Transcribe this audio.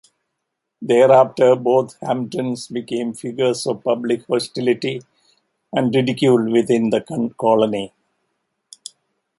Thereafter, both Hamptons became figures of public hostility and ridicule within the colony.